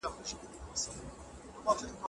آیا تاسو زکات ورکړی دی؟